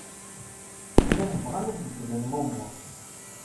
Llan bɣan ad beddlen lumuṛ.